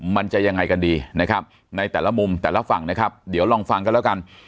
มันจะยังไงกันดีนะครับในแต่ละมุมแต่ละฝั่งนะครับเดี๋ยวลองฟังกันแล้วกัน